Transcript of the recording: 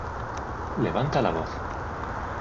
levanta la voz,